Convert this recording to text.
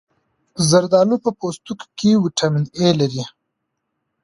زردالو په پوستکي کې ویټامین A لري.